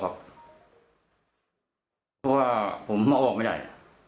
เพราะผมมาเอาออกไปไม่ได้